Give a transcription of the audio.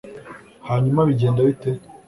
hanyuma bigenda bite